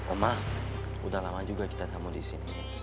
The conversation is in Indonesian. omah udah lama juga kita tamu disini